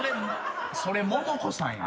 それモモコさんや！